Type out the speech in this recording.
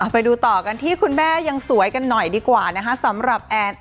ไปดูต่อกันที่คุณแม่ยังสวยกันหน่อยดีกว่านะคะสำหรับแอน